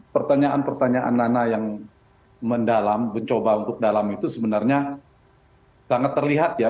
pertanyaan pertanyaan nana yang mendalam mencoba untuk dalam itu sebenarnya sangat terlihat ya